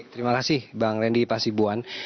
terima kasih bang randy pasibuan